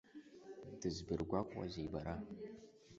Дызбыргәаҟуазеи бара!